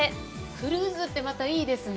クルーズってまた、いいですね。